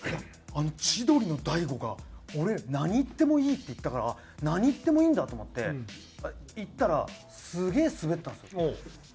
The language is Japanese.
あの千鳥の大悟が俺何言ってもいいって言ったから何言ってもいいんだと思って言ったらすげえスベったんですよ。